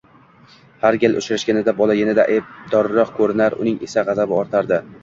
Har gal uchrashganida bola yanada aybdorroq koʻrinar, uning esa gʻazabi ortardi